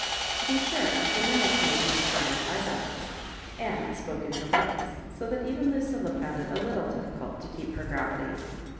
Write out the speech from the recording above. To be sure, the mimic made Miss Brown's eyebrows, and spoke in her voice, so that even Lucilla found it a little difficult to keep her gravity.